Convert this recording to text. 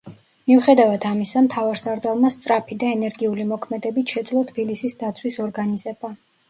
მიუხედავად ამისა, მთავარსარდალმა სწრაფი და ენერგიული მოქმედებით შეძლო თბილისის დაცვის ორგანიზება.